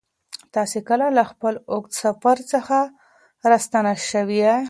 تاسې کله له خپل اوږد سفر څخه راستانه سوئ؟